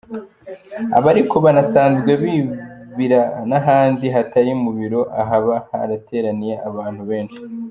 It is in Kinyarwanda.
Aba ariko banasanzwe bibira n’ahandi hatari mu birori ahaba hateraniye abantu benshi.